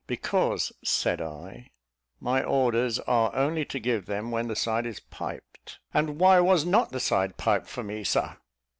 "Because," said I, "my orders are only to give them when the side is piped." "And why was not the side piped for me, Sir?"